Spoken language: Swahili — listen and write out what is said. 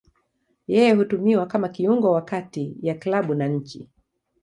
Yeye hutumiwa kama kiungo wa kati ya klabu na nchi.